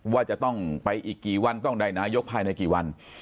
ว่าจะต้องไปอีกกี่วันต้องได้นายกภายในกี่วัน